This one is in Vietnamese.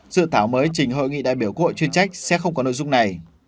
dự thảo mới trình hội nghị đại biểu quốc hội chuyên trách sẽ không có nội dung này